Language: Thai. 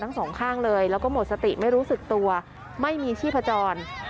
ทั้งสองข้างเลยแล้วก็หมดสติไม่รู้สึกตัวไม่มีชีพจร